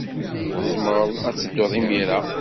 Tzemreḍ ad tedduḍ imir-a.